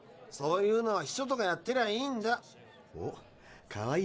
そういうのは秘書とかやってりゃいいんだ。